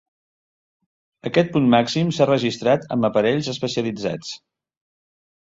Aquest punt màxim s'ha registrat amb aparells especialitzats.